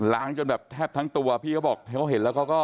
ล้างจนแทบทั้งตัวพี่เขาบอกเขาเห็นแล้ว